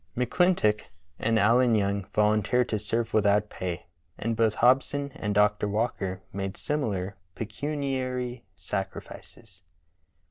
McClintock and Allen Young volunteered to serve without pay, and both Hobson and Dr. Walker made similar pecuniary sacrifices.